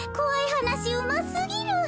はなしうますぎる。